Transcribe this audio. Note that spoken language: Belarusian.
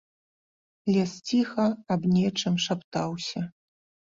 Лес ціха аб нечым шаптаўся.